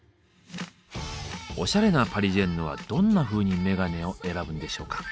おしゃれなパリジェンヌはどんなふうにメガネを選ぶんでしょうか。